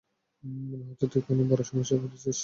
মনে হচ্ছে তুই কোনো বড় সমস্যায় পড়েছিস।